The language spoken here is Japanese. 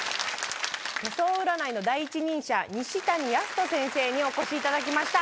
手相占いの第一人者西谷泰人先生にお越しいただきました。